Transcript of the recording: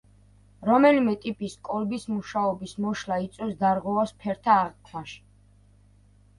რომელიმე ტიპის კოლბის მუშაობის მოშლა იწვევს დარღვევას ფერთა აღქმაში.